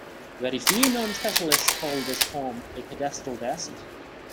Very few non-specialists call this form a pedestal desk.